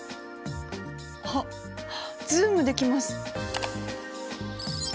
あっズームできます。